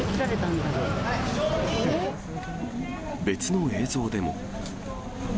別の映像でも。